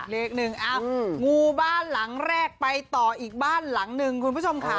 เลขหนึ่งอ้าวงูบ้านหลังแรกไปต่ออีกบ้านหลังหนึ่งคุณผู้ชมค่ะ